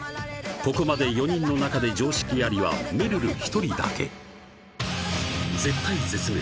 ここまで４人の中で常識ありはめるる１人だけ絶体絶命